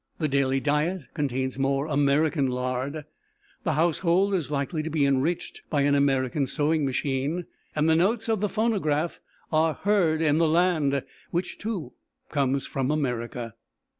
The daily diet contains more American lard, the household is likely to be enriched by an American sewing machine, and the notes of the phonograph are "heard in the land," which too comes from America.